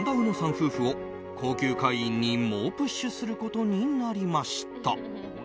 夫婦を高級会員に猛プッシュすることになりました。